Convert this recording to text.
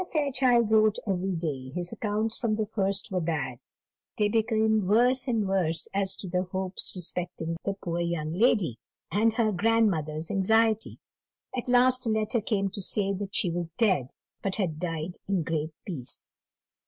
Fairchild wrote every day; his accounts from the first were bad; they became worse and worse as to the hopes respecting the poor young lady, and her grandmother's anxiety. At last a letter came to say that she was dead, but had died in great peace.